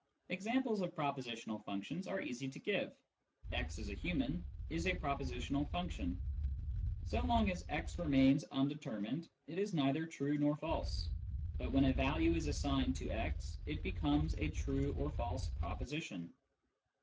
Examples of propositional functions are easy to give :" x is human " is a propositional function ; so long as * remains undetermined, it is neither true nor false, but when a value is assigned to x it becomes a true or false proposition.